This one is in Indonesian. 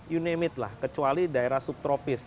you name it lah kecuali daerah subtropis